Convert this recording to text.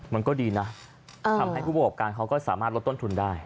มันก็ดีนะทำให้ผู้ประกอบการเขาก็สามารถลดต้นทุนได้